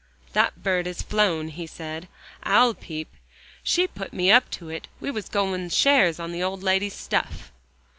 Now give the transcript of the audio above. "That bird has flown," he said. "I'll peep. She put me up to it; we was goin' shares on the old lady's stuff."